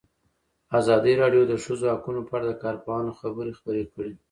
ازادي راډیو د د ښځو حقونه په اړه د کارپوهانو خبرې خپرې کړي.